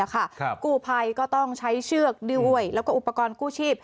กู้ภัยก็ต้องใช้เชือกดิ้วยแล้วก็อุปกรณ์กู้ชีพ